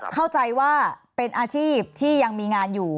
เข้าใจว่าเป็นอาชีพที่ยังมีงานอยู่